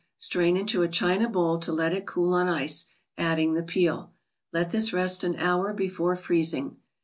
Strain into a china bowl to let it cool on ice, adding the peel. Let this rest an hour before freezing.